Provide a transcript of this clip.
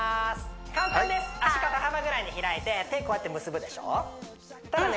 簡単です足肩幅ぐらいに開いて手こうやって結ぶでしょしたらね